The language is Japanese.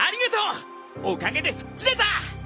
おかげで吹っ切れた。